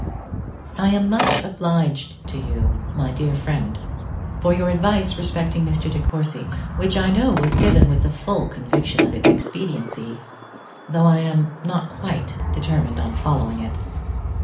I am much obliged to you, my dear Friend, for your advice respecting Mr. De Courcy, which I know was given with the full conviction of its expediency, though I am not quite determined on following it.